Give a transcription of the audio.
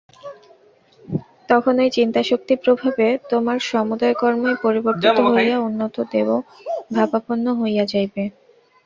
তখন ঐ চিন্তাশক্তি-প্রভাবে তোমার সমুদয় কর্মই পরিবর্তিত হইয়া উন্নত দেবভাবাপন্ন হইয়া যাইবে।